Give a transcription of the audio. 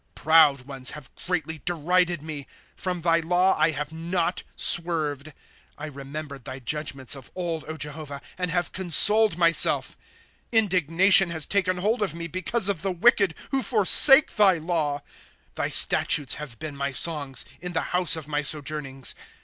^1 Proud ones have greatly derided me ; From thy law I have not swerved. ^^ I remembered thy judgments of old, Jehovah, And have consoled myself. ^* Indignation has taken hold of mc because of the wicked, Who forsake thy Jaw. ^* Thy statutes have been my songs, In the house of my sojournings.